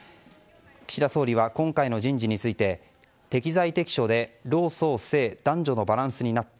岸田総理は今回の人事について適材適所で老壮青男女のバランスになった。